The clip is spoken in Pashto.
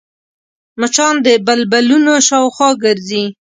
مچان د بلبونو شاوخوا ګرځي